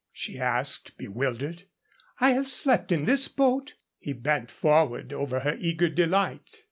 she asked, bewildered "I have slept in this boat?" He bent forward over her eager delight.